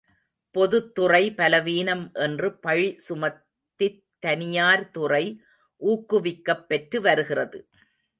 பொதுத்துறை பலவீனம் என்று பழி சுமத்தித் தனியார் துறை ஊக்குவிக்கப் பெற்று வருகிறது.